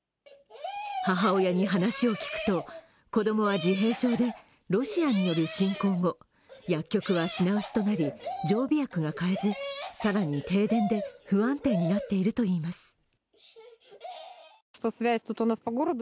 母親に話を聞くと子供は自閉症でロシアによる侵攻後、薬局は品薄となり、常備薬が買えず更に、停電で不安定になっているといいます。